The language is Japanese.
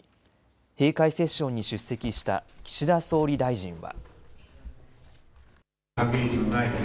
閉会セッションに出席した岸田総理大臣は。